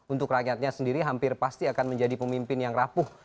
untuk rakyatnya sendiri hampir pasti akan menjadi pemimpin yang rapuh